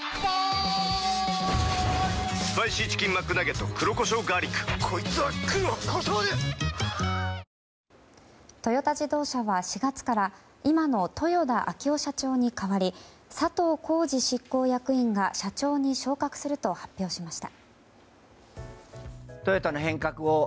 トヨタ自動車は４月から今の豊田章男社長に代わり佐藤恒治執行役員が社長に昇格すると発表しました。